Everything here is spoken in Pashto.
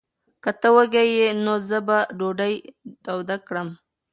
که ته وږی یې، نو زه به ډوډۍ توده کړم.